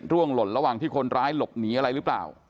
หล่นระหว่างที่คนร้ายหลบหนีอะไรหรือเปล่า